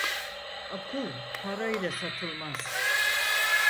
Akıl para ile satılmaz.